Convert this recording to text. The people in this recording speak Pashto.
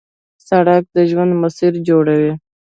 سړک د ژوند مسیر جوړوي.